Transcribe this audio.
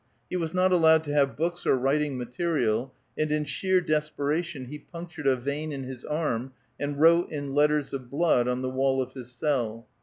He was not allowed to have books or writing material, and in sheer des peration he punctured a vein in his arm, and wrote in letters of blood on the wall of his cell.